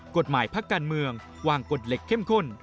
กฎหมายพักการเมืองวางกฎเหล็กเข้มข้น